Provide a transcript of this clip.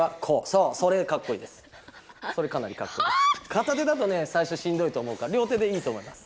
かた手だとさいしょしんどいと思うからりょう手でいいと思います。